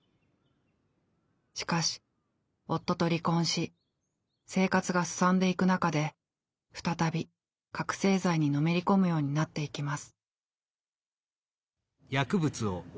しかし夫と離婚し生活がすさんでいく中で再び覚醒剤にのめり込むようになっていきます。